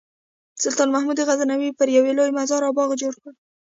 سلطان محمود غزنوي پرې یو لوی مزار او باغ جوړ کړ.